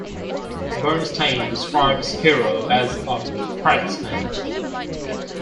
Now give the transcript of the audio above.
Bernstein described Skirrow as "a craftsman".